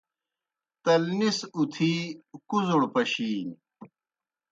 تلنی سہ اُتِھی کُوْزڑ پشِینیْ